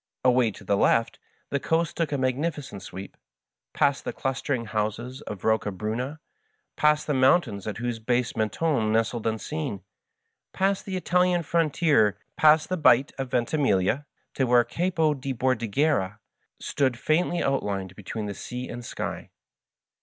Away to the left the coast took a mag nificent sweep, past the clustering houses of Kocca bruna, past the mountains at whose base Mentone nestled unseen, past the Itahan frontier, past the bight of Venti miglia, to where the Capo di Bordighera stood faintly outlined between sea and sky.